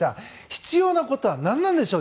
必要なことは何なんでしょう。